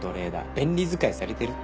便利使いされてるって。